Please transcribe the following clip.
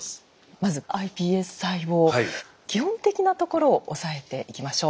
まずｉＰＳ細胞基本的なところを押さえていきましょう。